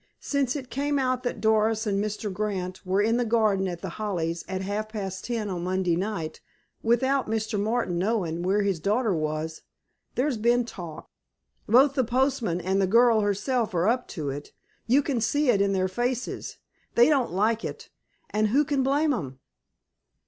"Since it came out that Doris an' Mr. Grant were in the garden at The Hollies at half past ten on Monday night, without Mr. Martin knowin' where his daughter was, there's been talk. Both the postmaster an' the girl herself are up to it. You can see it in their faces. They don't like it, an' who can blame 'em!"